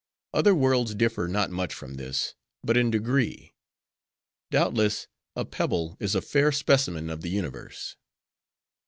Other worlds differ not much from this, but in degree. Doubtless, a pebble is a fair specimen of the universe.